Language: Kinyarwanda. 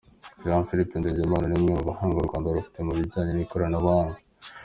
Jean Philbert Nsengimana ni umwe mu bahanga u Rwanda rufite mu bijyanye n’ikoranabuhanga.